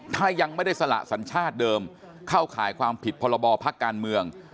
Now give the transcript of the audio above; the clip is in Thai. ถ้ายังไม่ได้สละสัญชาติเดิมเข้าข่ายความผิดพรบพักการเมือง